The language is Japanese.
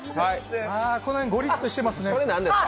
この辺、ごりっとしてますね。